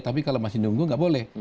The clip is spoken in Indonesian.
tapi kalau masih nunggu nggak boleh